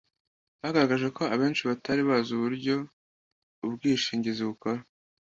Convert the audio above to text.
bagaragaje ko abenshi batari bazi uburyo ubwishingizi bukora